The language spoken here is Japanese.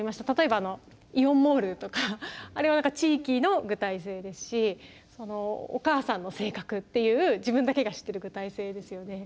例えばイオンモールとかあれは地域の具体性ですしお母さんの性格っていう自分だけが知っている具体性ですよね。